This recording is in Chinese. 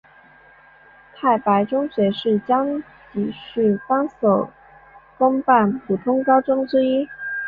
太白中学是江油市三所公办普通高中之一。